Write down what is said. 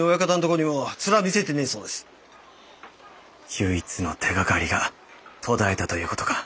唯一の手がかりが途絶えたということか。